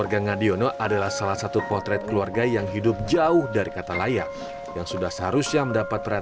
jangan lupa like share dan subscribe ya